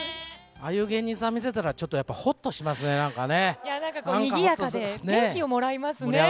ああいう芸人さん見てたら、ちょっとやっぱほっとしますね、なんかね。